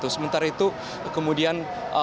sementara itu kemudian